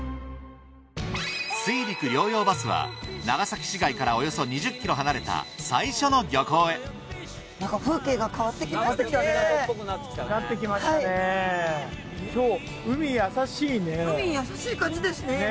水陸両用バスは長崎市街からおよそ２０ｋｍ離れた最初の漁港へなんか風景が変わってきましたね。